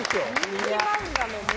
人気漫画の名言。